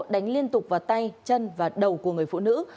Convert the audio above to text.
đánh liên tục vào tay chân và đầu của người phụ nữ